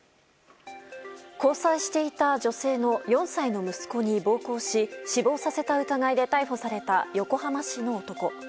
交際していた女性の４歳の息子に暴行し死亡させた疑いで逮捕された横浜市の男。